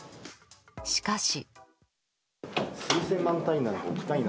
しかし。